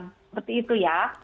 seperti itu ya